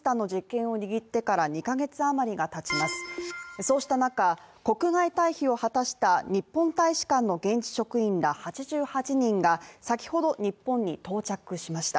そうした中、国外退避を果たした日本大使館の現地職員ら８８人が先ほど日本に到着しました。